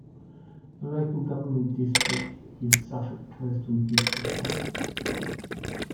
The local government district is Suffolk Coastal District Council.